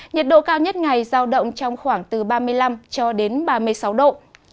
nhiệt độ cao nhất ngày giao động trong khoảng từ ba mươi năm cho đến ba mươi sáu độ